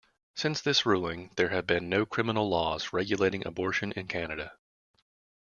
Since this ruling, there have been no criminal laws regulating abortion in Canada.